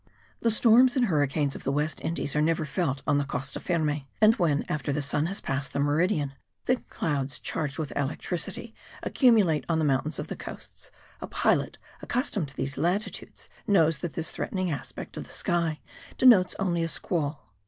The storms and hurricanes of the West Indies are never felt on the Costa Firme; and when, after the sun has passed the meridian, thick clouds charged with electricity accumulate on the mountains of the coasts, a pilot accustomed to these latitudes knows that this threatening aspect of the sky denotes only a squall.